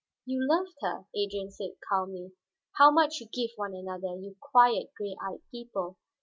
"You loved her," Adrian said calmly. "How much you give one another, you quiet, gray eyed people!